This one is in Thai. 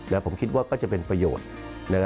แล้วผมคิดว่าก็จะเป็นประโยชน์